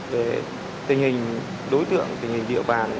về tình hình đối tượng tình hình địa bàn